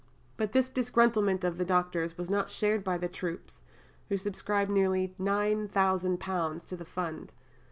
" But this disgruntlement of the doctors was not shared by the troops, who subscribed nearly £9000 to the Fund.